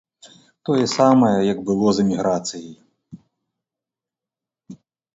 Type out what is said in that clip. Тое самае, як было з эміграцыяй.